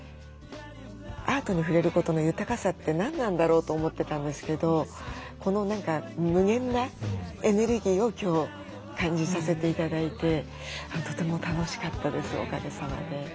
アートに触れることの豊かさって何なんだろう？と思ってたんですけどこの何か無限なエネルギーを今日感じさせて頂いてとても楽しかったですおかげさまで。